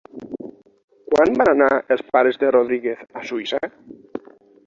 Quan van anar els pares de Rodríguez a Suïssa?